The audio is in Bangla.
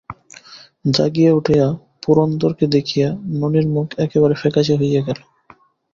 জাগিয়া উঠিয়া পুরন্দরকে দেখিয়া ননির মুখ একেবারে ফ্যাকাশে হইয়া গেল।